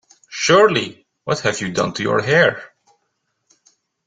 Shirley, what have you done to your hair?